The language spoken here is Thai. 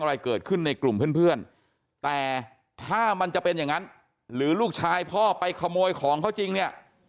อะไรเกิดขึ้นในกลุ่มเพื่อนแต่ถ้ามันจะเป็นอย่างนั้นหรือลูกชายพ่อไปขโมยของเขาจริงเนี่ย